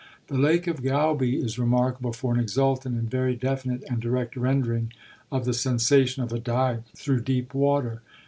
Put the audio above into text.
The Lake of Gaube is remarkable for an exultant and very definite and direct rendering of the sensation of a dive through deep water.